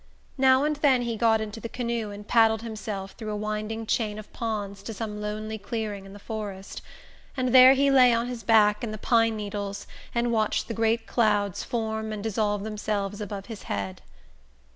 Now and then he got into the canoe and paddled himself through a winding chain of ponds to some lonely clearing in the forest; and there he lay on his back in the pine needles and watched the great clouds form and dissolve themselves above his head.